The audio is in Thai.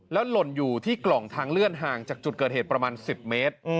หล่นอยู่ที่กล่องทางเลื่อนห่างจากจุดเกิดเหตุประมาณ๑๐เมตร